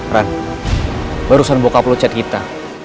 ran barusan bokap lo chat kita